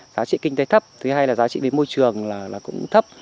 giá trị kinh tế thấp thứ hai là giá trị về môi trường là cũng thấp